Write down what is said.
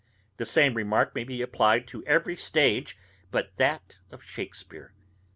The same remark may be applied to every stage but that of Shakespeare.